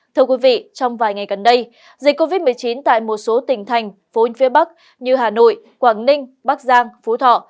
thưa quý vị trong vài ngày gần đây dịch covid một mươi chín tại một số tỉnh thành phố phía bắc như hà nội quảng ninh bắc giang phú thọ